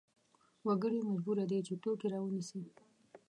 وګړي مجبور دي چې توکې راونیسي.